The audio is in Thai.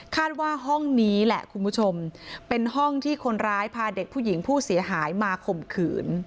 ว่าห้องนี้แหละคุณผู้ชมเป็นห้องที่คนร้ายพาเด็กผู้หญิงผู้เสียหายมาข่มขืน